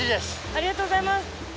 ありがとうございます。